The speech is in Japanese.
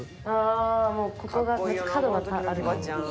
もうここがめっちゃ角がある感じの。